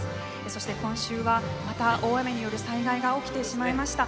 そして、今週はまた大雨による災害が起きてしまいました。